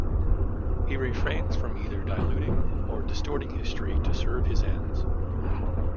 He refrains from either diluting or distorting history to serve his ends.